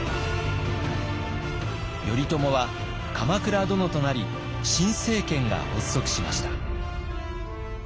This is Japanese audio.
頼朝は鎌倉殿となり新政権が発足しました。